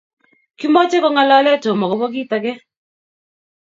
Kimoche kongalale Tom agobo kit age